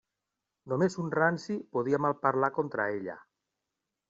Només un ranci podia malparlar contra ella.